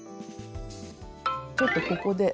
ちょっとここで。